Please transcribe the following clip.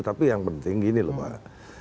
tapi yang penting gini loh pak